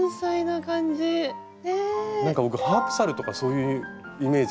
僕ハープサルとかそういうイメージ。